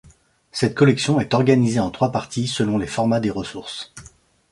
Cette collection est organisée en trois parties selon les formats des ressources.